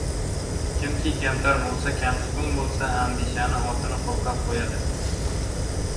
Kimki kamtar bo‘lsa, kamsuqum bo‘lsa, andishani otini qo‘rqoq qo‘yadi…